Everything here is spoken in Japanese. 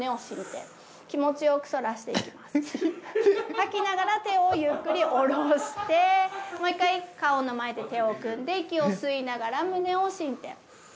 吐きながら手をゆっくり下ろしてもう１回顔の前で手を組んで息を吸いながら胸を伸展。